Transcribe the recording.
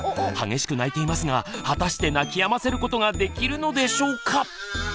激しく泣いていますが果たして泣きやませることができるのでしょうか？